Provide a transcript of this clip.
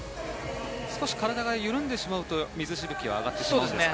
少し体が緩んでしまうと水しぶきが上がってしまうんですか？